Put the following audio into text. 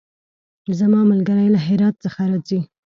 زما ملګری له هرات څخه راځی